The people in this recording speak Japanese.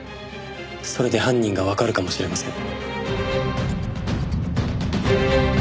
それで犯人がわかるかもしれません。